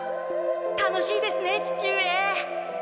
楽しいですね父上！